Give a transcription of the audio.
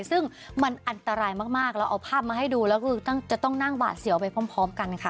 ซึ่งมันอันตรายมากเราเอาภาพมาให้ดูแล้วก็จะต้องนั่งบาดเสียวไปพร้อมกันค่ะ